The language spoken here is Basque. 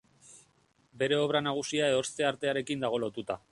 Bere obra nagusia ehorzte-artearekin dago lotuta.